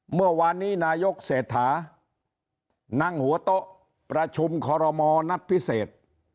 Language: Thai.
เมื่อวานนี้นายกเศรษฐานั่งหัวโต๊ะประชุมคอรมอนัดพิเศษ